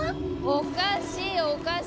おかしいおかしい。